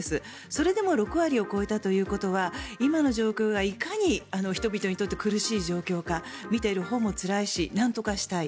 それでも６割を超えたということは今の状況がいかに人々にとって苦しい状況か見ているほうもつらいしなんとかしたい。